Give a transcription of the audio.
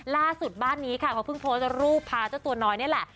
ล่าสุดบ้านนี้ค่ะเขาเพิ่งโพสต์รูปพาเจ้าตัวน้อยนี่แหละ